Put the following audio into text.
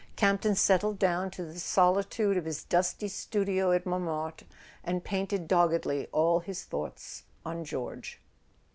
Campton settled down to the solitude of his dusty studio at Montmartre, and painted doggedly, all his thoughts on George.